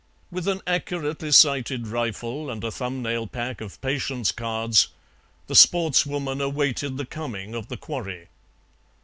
With an accurately sighted rifle and a thumbnail pack of patience cards the sportswoman awaited the coming of the quarry.